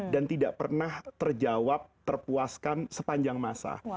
dan tidak pernah terjawab terpuaskan sepanjang masa